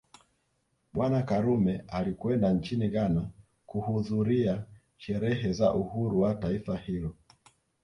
Bwana Karume alikwenda nchini Ghana kuhudhuria sherehe za uhuru wa taifa hilo